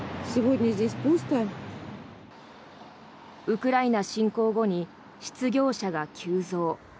ウクライナ侵攻後に失業者が急増。